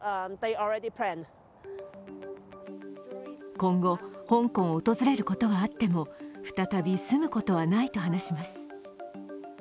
今後、香港を訪れることはあっても再び住むことはないと話します。